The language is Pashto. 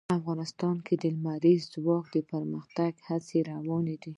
افغانستان کې د لمریز ځواک د پرمختګ هڅې روانې دي.